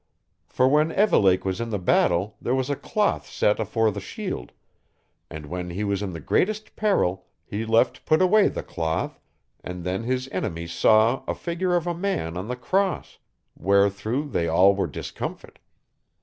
For when Evelake was in the battle there was a cloth set afore the shield, and when he was in the greatest peril he left put away the cloth, and then his enemies saw a figure of a man on the Cross, wherethrough they all were discomfit.